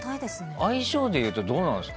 相性でいうと、どうですか？